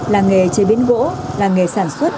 làng nghề chế biến gỗ làng nghề sản xuất